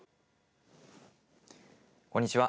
こんにちは。